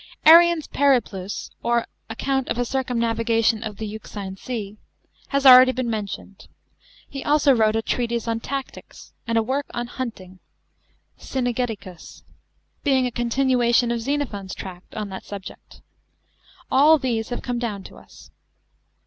(3) Arrian's Pe>iplus, or account of a circumnavigation of the Euxine Sea, has been already mentioned.J He also wrote (4) a treatise on Tactics, and (5) a work on hunting (f^ytt^geticus), being a continuation of Xenophon's tract on that subject. All these have come down to us.